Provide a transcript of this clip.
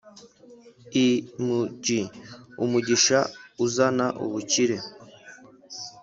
Img umugisha uzana ubukire